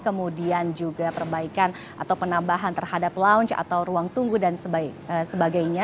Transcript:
kemudian juga perbaikan atau penambahan terhadap launch atau ruang tunggu dan sebagainya